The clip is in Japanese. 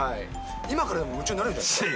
今からでも夢中になれるんじゃないですか。